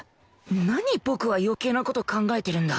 何僕は余計な事考えてるんだ